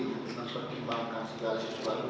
untuk mempertimbangkan segala sesuatu